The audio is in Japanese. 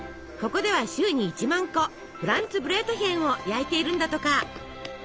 ここでは週に１万個フランツブレートヒェンを焼いているんだとか。